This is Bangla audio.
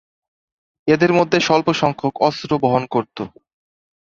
এদের মধ্যে স্বল্প সংখ্যক অস্ত্র বহন করত।